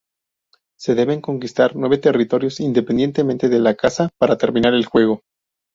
Se deben conquistar nueve territorios, independientemente de la casa, para terminar el juego.